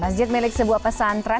masjid milik sebuah pesantren